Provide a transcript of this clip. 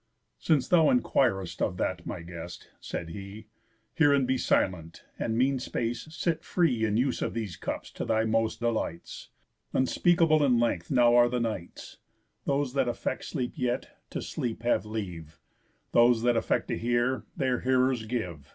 "Since thou enquir'st of that, my guest," said he, "Hear and be silent, and, mean space, sit free In use of these cups to thy most delights; Unspeakable in length now are the nights. Those that affect sleep yet, to sleep have leave, Those that affect to hear, their hearers give.